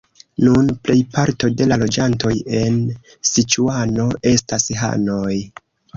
Nun plejparto de la loĝantoj en Siĉuano estas hanoj.